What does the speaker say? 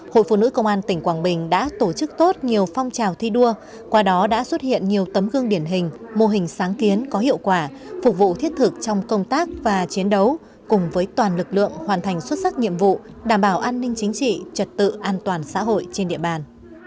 hội phụ nữ công an tỉnh quảng bình đã tổ chức tốt nhiều phong trào thi đua qua đó đã xuất hiện nhiều tấm gương điển hình mô hình sáng kiến có hiệu quả phục vụ thiết thực trong công tác và chiến đấu cùng với toàn lực lượng hoàn thành xuất sắc nhiệm vụ đảm bảo an ninh chính trị trật tự an toàn xã hội trên địa bàn